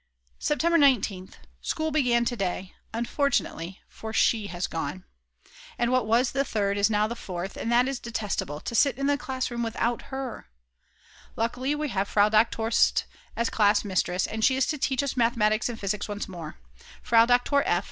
September 19th. School began to day; unfortunately, for she has gone. And what was the Third is now the Fourth, and that is detestable, to sit in the classroom without her. Luckily we have Frau Doktor St. as class mistress, and she is to teach us mathematics and physics once more; Frau Doktor F.